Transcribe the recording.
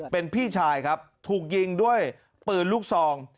เป็นพี่ชายครับถูกยิงด้วยปืนลูกซอง